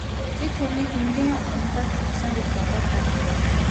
Чи түүнийг тэнгэрийн умдаг атгасан гэж бодоод байгаа юм уу?